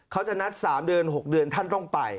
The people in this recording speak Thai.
เขาจะนัด๓เดือน๖เดือนท่านต้องไป